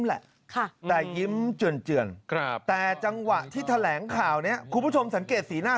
แต่รอยยิ้มนั้นเป็นอย่างไรคุณผู้ชมลองตีค่ะ